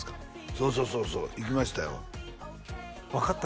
そうそうそうそう行きましたよ分かった？